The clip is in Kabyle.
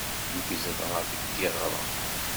Nekk zedɣeɣ deg yiɣrem.